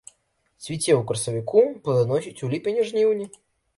Цвіце ў красавіку, плоданасіць у ліпені-жніўні.